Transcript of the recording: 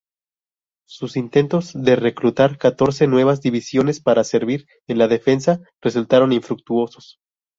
Sus intentos de reclutar catorce nuevas divisiones para servir en la defensa resultaron infructuosos.